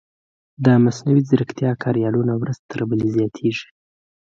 د مصنوعي ځیرکتیا کاریالونه ورځ تر بلې زیاتېږي.